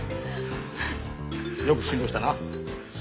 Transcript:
よく辛抱したな。